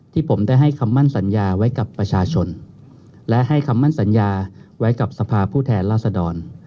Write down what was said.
ที่ผมได้ให้คำมั่นสัญญาไว้กับประชาชนและให้คำมั่นสัญญาไว้กับสภาพผู้แทนราษดร